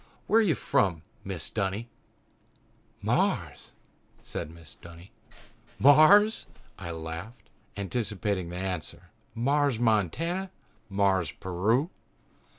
"Where are you from, Mrs. Dunny?" "Mars!" said Mrs. Dunny. "Mars!" I laughed, anticipating the answer. "Mars, Montana? Mars, Peru?"